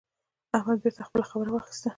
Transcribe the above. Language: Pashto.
احمد بېرته خپله خبره واخيسته.